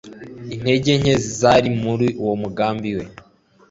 intege nke zari muri uwo mugambi we